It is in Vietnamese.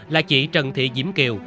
là chị trần thị diễm kiều